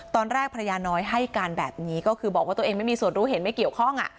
ภรรยาน้อยให้การแบบนี้ก็คือบอกว่าตัวเองไม่มีส่วนรู้เห็นไม่เกี่ยวข้อง